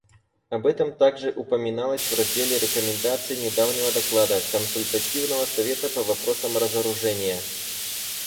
Об этом также упоминалось в разделе рекомендаций недавнего доклада Консультативного совета по вопросам разоружения.